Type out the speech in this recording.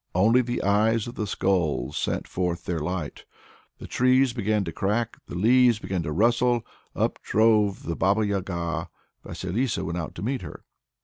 Only the eyes of the skulls sent forth their light. The trees began to crack, the leaves began to rustle, up drove the Baba Yaga. Vasilissa went out to meet her.